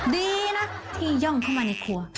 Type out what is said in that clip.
ดีนะที่ย่องเข้ามาในครัว